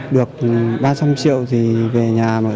được ba trăm linh triệu thì về xã hội